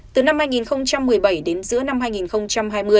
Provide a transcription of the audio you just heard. từ năm hai nghìn một mươi bảy đến giữa năm hai nghìn hai mươi